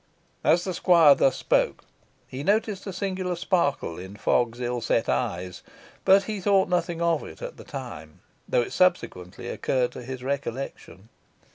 As the squire thus spoke, he noticed a singular sparkle in Fogg's ill set eyes; but he thought nothing of it at the time, though it subsequently occurred to his recollection.